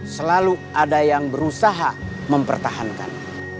selalu ada yang berusaha mempertahankan